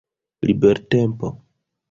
libertempo